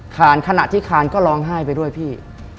ขณะที่คานก็ร้องไห้ไปด้วยพี่